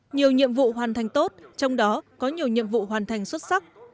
nhiều nhiệm vụ hoàn thành tốt trong đó có nhiều nhiệm vụ hoàn thành xuất sắc